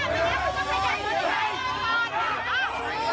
และค่อยห้ามเงินในพวกเพื่อนข้า